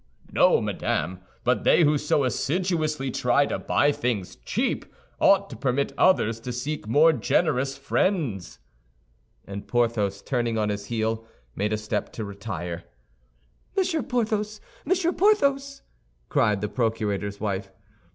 "No, madame; but they who so assiduously try to buy things cheap ought to permit others to seek more generous friends." And Porthos, turning on his heel, made a step to retire. "Monsieur Porthos! Monsieur Porthos!" cried the procurator's wife.